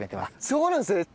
そうなんですね。